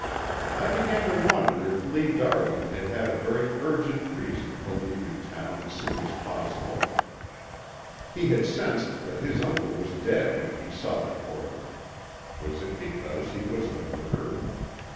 I began to wonder if Lee Darwin had had a very urgent reason for leaving town as soon as possible. He had sensed that his uncle was dead when he saw the coroner. Was it because he was the murderer?